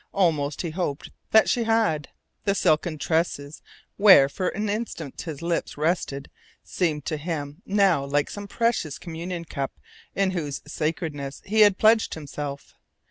Almost he hoped that she had. The silken tress where for an instant his lips had rested seemed to him now like some precious communion cup in whose sacredness he had pledged himself.